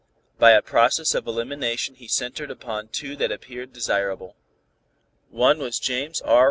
By a process of elimination he centered upon two that appeared desirable. One was James R.